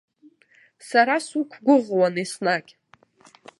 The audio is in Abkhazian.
Сара суқәгәыӷуан еснагь.